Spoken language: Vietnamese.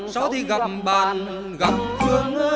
sau thì gặp bạn gặp phương